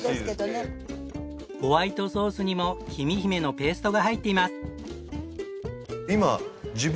ホワイトソースにもきみひめのペーストが入っています。